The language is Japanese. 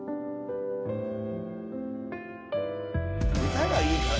歌がいいから。